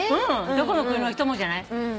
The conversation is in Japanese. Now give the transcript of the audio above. どこの国の人もじゃない！？